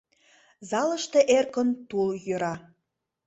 Залыште эркын тул йӧра.